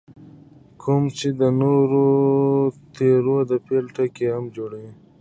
کوم چې د نورو تیوریو د پیل ټکی هم جوړوي.